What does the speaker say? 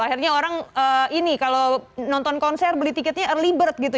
akhirnya orang ini kalau nonton konser beli tiketnya early bird gitu